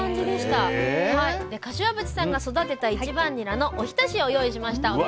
で柏淵さんが育てた１番ニラのおひたしを用意しました。